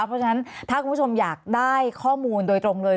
เพราะฉะนั้นถ้าคุณผู้ชมอยากได้ข้อมูลโดยตรงเลย